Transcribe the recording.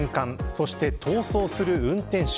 そして、逃走する運転手。